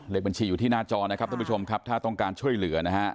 บัญชีอยู่ที่หน้าจอนะครับท่านผู้ชมครับถ้าต้องการช่วยเหลือนะฮะ